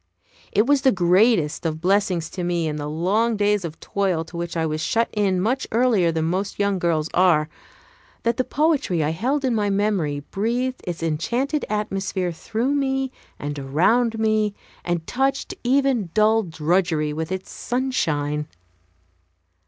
It was the greatest of blessings to me, in the long days of toil to which I was shut in much earlier than most young girls are, that the poetry I held in my memory breathed its enchanted atmosphere through me and around me, and touched even dull drudgery with its sunshine.